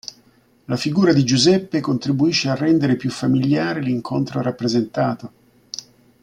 La figura di Giuseppe contribuisce a rendere più famigliare l'incontro rappresentato.